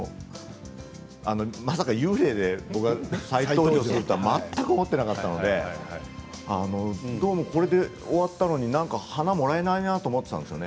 まさか幽霊で再登場するとは全く思っていなかったのでこれで終わったのにお花をもらえないなって思っていたんです